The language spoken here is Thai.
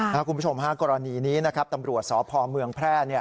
คุณผู้ชมฮะกรณีนี้นะครับตำรวจสพเมืองแพร่